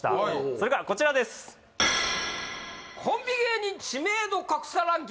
それがこちらですえああ